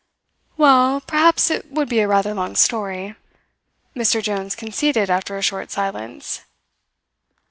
"Well, perhaps it would be a rather long story," Mr. Jones conceded after a short silence.